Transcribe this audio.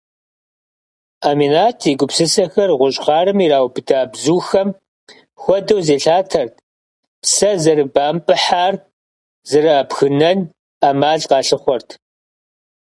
Ӏэминат и гупсысэхэр гъущӏ хъарым ираубыда бзухэм хуэдэу зелъатэрт, псэ зэрыбэмпӏыхьар зэрабгынэн ӏэмал къалъыхъуэрт.